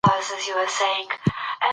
هغه په ډېر لږ وخت کې لوی فتوحات وکړل.